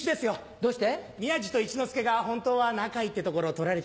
どうして？